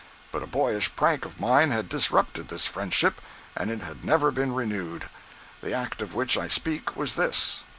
But a boyish prank of mine had disruptured this friendship and it had never been renewed. The act of which I speak was this.